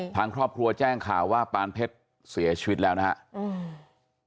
ทางครอบครัวแจ้งข่าวว่าปานเพชรเสียชีวิตแล้วนะครับ